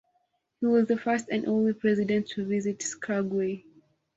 He was the first and only president to visit Skagway.